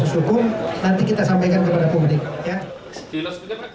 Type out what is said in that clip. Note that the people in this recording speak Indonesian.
nanti kita sampaikan kepada publik